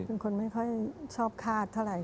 เป็นคนไม่ค่อยชอบคาดเท่าไหร่